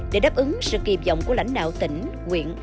để đáp ứng sự kịp dọng của lãnh đạo tỉnh quyền